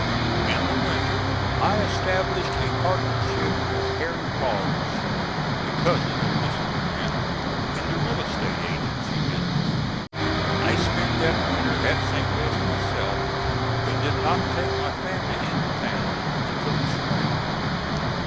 In the winter I established a partnership with Harry Boggs, a cousin of Mrs. Grant, in the real estate agency business. I spent that winter at St. Louis myself, but did not take my family into town until the spring.